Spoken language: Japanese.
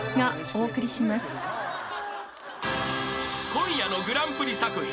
［今夜のグランプリ作品］